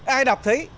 ai đọc thấy